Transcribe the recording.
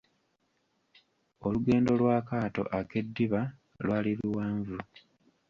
Olugendo lw'akaato ek'eddiba lwali luwanvu.